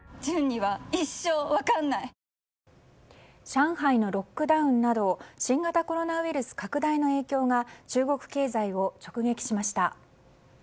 上海のロックダウンなど新型コロナウイルス拡大の影響が中国経済を直撃しました。